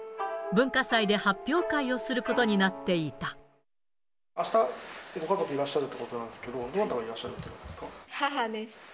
文化祭で発表会をすることになっあした、ご家族がいらっしゃるってことなんですけど、どなたがいらっしゃ母です。